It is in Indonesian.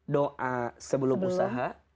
doa sebelum usaha